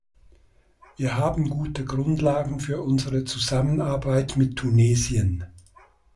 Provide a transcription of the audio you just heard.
Wir haben gute Grundlagen für unsere Zusammenarbeit mit Tunesien.